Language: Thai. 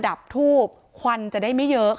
การแก้เคล็ดบางอย่างแค่นั้นเอง